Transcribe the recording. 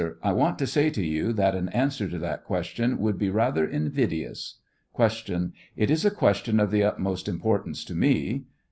I want to say to you that an answer to that ques tion would be rather invidious. Q. It is a question of the utmost importance to me.